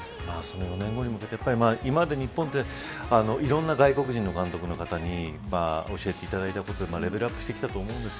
４年後に向けて今まで日本はいろんな外国人の監督の方に教えていただいたことでレベルアップしてきたと思います。